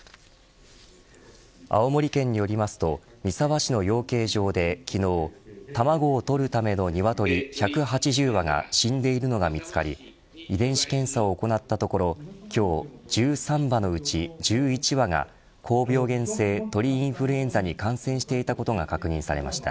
青森県によりますと三沢市の養鶏場で昨日、卵を取るための鶏１８０羽が死んでいるのが見つかり遺伝子検査を行ったところ今日１３羽のうち１１羽が高病原性鳥インフルエンザに感染していたことが確認されました。